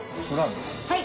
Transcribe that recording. はい。